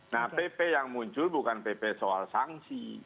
nah pp yang muncul bukan pp soal sanksi